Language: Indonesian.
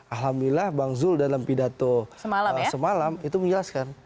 alhamdulillah bang zul dalam pidato semalam itu menjelaskan